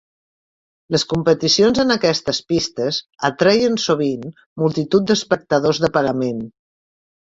Les competicions en aquestes pistes atreien sovint multituds d'espectadors de pagament.